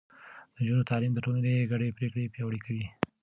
د نجونو تعليم د ټولنې ګډې پرېکړې پياوړې کوي.